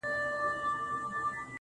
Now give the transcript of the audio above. پر موږ همېش یاره صرف دا رحم جهان کړی دی.